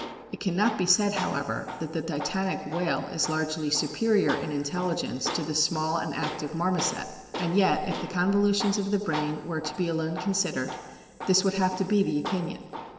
It cannot be said, however, that the titanic whale is largely superior in intelligence to the small and active Marmoset ; and yet, if the con volutions of the brain were to be alone considered, this would have to be the opinion.